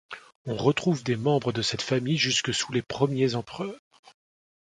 On retrouve des membres de cette famille jusque sous les premiers empereurs.